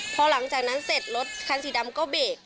พอหลังจากนั้นเสร็จรถคันสีดำก็เบรก